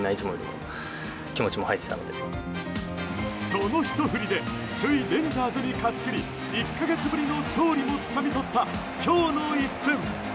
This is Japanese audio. そのひと振りで首位レンジャーズに勝ち切り１か月ぶりの勝利もつかみ取った今日の一戦。